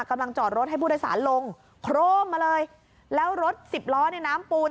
จอดรถให้ผู้โดยสารลงโครมมาเลยแล้วรถสิบล้อในน้ำปูน